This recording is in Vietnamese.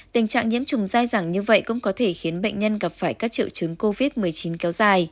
tình trạng nhiễm trùng dai dẳng như vậy cũng có thể khiến bệnh nhân gặp phải các triệu chứng covid một mươi chín kéo dài